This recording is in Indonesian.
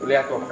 lo lihat tuh